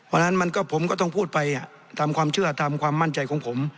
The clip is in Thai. เพราะฉะนั้นมันก็ผมก็ต้องพูดไปตามความเชื่อตามความมั่นใจของผม